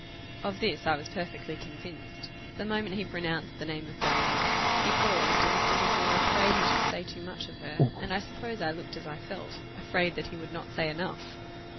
Of this I was perfectly convinced. The moment he pronounced the name of Berenice, he paused, and looked as if he were afraid he should say too much of her; and I suppose I looked as I felt afraid that he would not say enough.